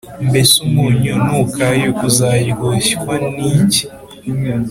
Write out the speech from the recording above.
Mbese umunyu nukayuka uzaryoshywa n’iki?